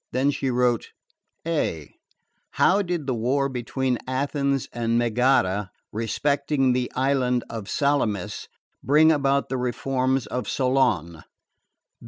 Then she wrote: "_(a) How did the war between Athens and Megara, respecting the island of Salamis, bring about the reforms of Solon?